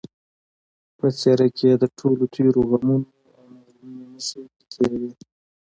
په څېره کې یې د ټولو تېرو غمونو او ناورینونو نښې پرتې وې